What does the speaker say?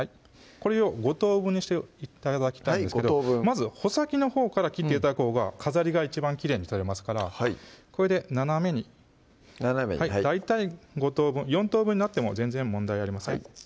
これを５等分にして頂きたいんですけどまず穂先のほうから切って頂くほうが飾りが一番きれいに取れますからこれで斜めに斜めにはい大体５等分４等分になっても全然問題ありません